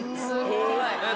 すごい。